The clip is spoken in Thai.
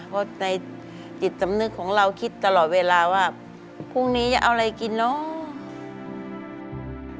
เพราะในจิตสำนึกของเราคิดตลอดเวลาว่าพรุ่งนี้จะเอาอะไรกินเนาะ